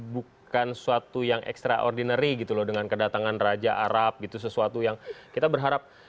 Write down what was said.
bukan suatu yang extraordinary gitu loh dengan kedatangan raja arab gitu sesuatu yang kita berharap